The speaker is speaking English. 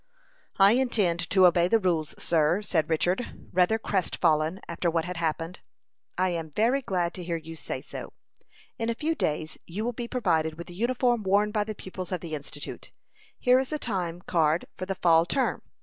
"I intend to obey the rules, sir," said Richard, rather crest fallen after what had happened. "I am very glad to hear you say so. In a few days you will be provided with the uniform worn by the pupils of the Institute. Here is a time card for the fall term.